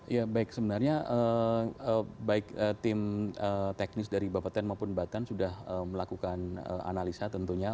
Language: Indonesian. ya baik sebenarnya baik tim teknis dari bapak ten maupun batan sudah melakukan analisa tentunya